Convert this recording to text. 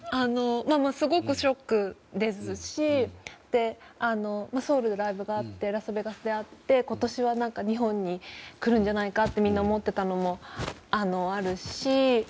すごくショックですしソウルでライブがあってラスベガスであって今年は日本に来るんじゃないかとみんな思っていたのもあるし。